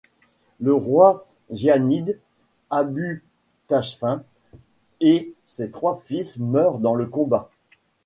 Le roi zianide, Abû Tâshfîn, et ses trois fils meurent dans le combat.